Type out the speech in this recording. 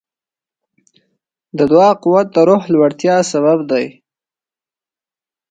د دعا قوت د روح لوړتیا سبب دی.